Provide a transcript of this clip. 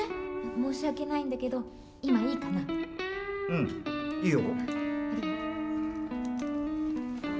申し訳ないんだけど、今いいかなうん、いいよ。